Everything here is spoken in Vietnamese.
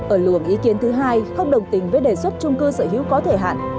ở luồng ý kiến thứ hai không đồng tình với đề xuất trung cư sở hữu có thời hạn